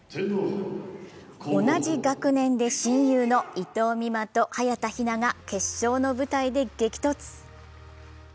同じ学年で親友の伊藤美誠と早田ひなが決勝の舞台で激突。